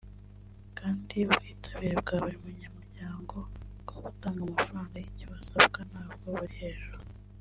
kandi ubwitabire bwa buri munyamuryango bwo gutanga amafaranga y’icyo asabwa ntabwo buri hejuru